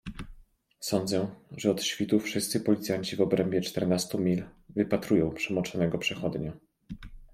"Sądzę, że od świtu wszyscy policjanci w obrębie czternastu mil wypatrują przemoczonego przechodnia?"